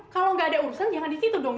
kalau nggak ada urusan jangan di situ dong